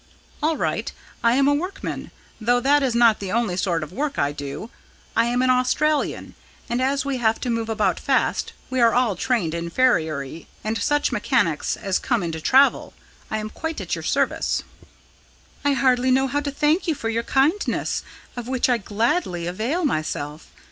"All right, I am a workman though that is not the only sort of work I do. I am an Australian, and, as we have to move about fast, we are all trained to farriery and such mechanics as come into travel I am quite at your service." "I hardly know how to thank you for your kindness, of which I gladly avail myself.